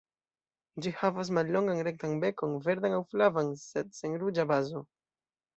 Ĝi havas mallongan rektan bekon, verdan aŭ flavan sed sen ruĝa bazo.